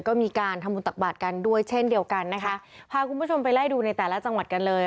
ก็มีการทำบุญตักบาทกันด้วยเช่นเดียวกันนะคะพาคุณผู้ชมไปไล่ดูในแต่ละจังหวัดกันเลย